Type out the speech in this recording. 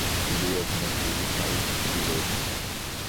კიდურებმოხრილი, თავით ჩრდილოეთისკენ.